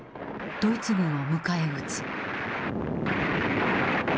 ドイツ軍を迎え撃つ。